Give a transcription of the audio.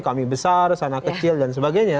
kami besar sana kecil dan sebagainya